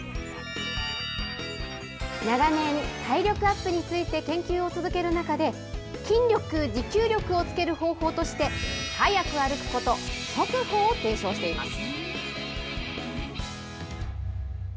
長年、体力アップについて研究を続ける中で、筋力、持久力をつける方法として、速く歩くこと、速歩を提唱しています。